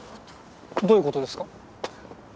どういう事ですか？